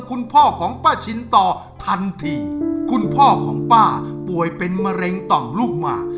คุณพ่อของป้าชินต่อทันทีคุณพ่อของป้าป่วยเป็นมะเร็งต่อมลูกหมาก